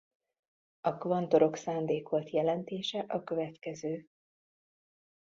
A kvantorok szándékolt jelentése a következő.